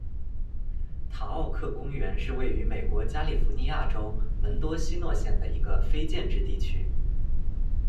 坦奥克公园是位于美国加利福尼亚州门多西诺县的一个非建制地区。